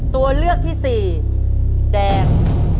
ตัวเลือกที่สี่แดง